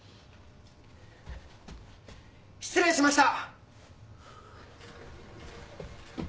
失礼しました。